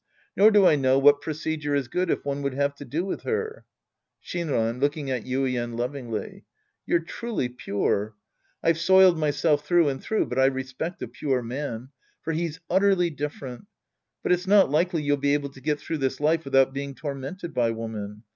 Nor do I know what procedure is good if one would have to do with her. Shim'an {looking at YuiEN lovingly). You're truly pure. I've soiled myself through and through, but I respect a pure man. For he's utterly different. Eut it's not likely you'll be able to get through this life wi ^iiout being tormented by woman.